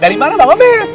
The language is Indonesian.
dari mana pak obed